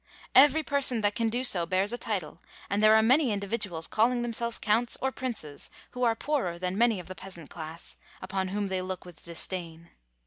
Every person A RUSSIAN ELOPEMENT. 249 that can do so bears a title, and there are many individuals calling themselves counts or princes who are poorer than many of the peasant class, upon whom they look with disdain.